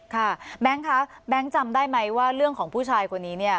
แบงค์คะแบงค์จำได้ไหมว่าเรื่องของผู้ชายคนนี้เนี่ย